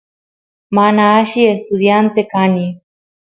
mana alli estudiante kani